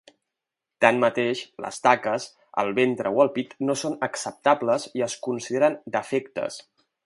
Tanmateix, les taques al ventre o al pit no són acceptables i es consideren defectes.